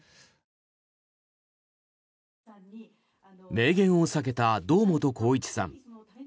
明言を避けた堂本光一さん。